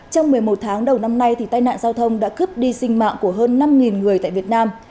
trong một mươi một tháng đầu năm nay tai nạn giao thông đã cướp đi sinh mạng của hơn năm người tại việt nam